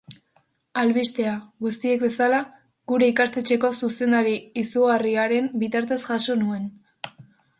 Albistea, guztiek bezala, gure ikastetxeko zuzendari izugarri haren bitartez jasoa nuen.